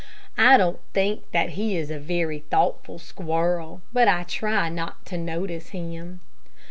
I don't think that he is a very thoughtful squirrel, but I try not to notice him.